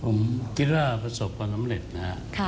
ผมกิจว่าประสบความสำเร็จนั้นค่ะ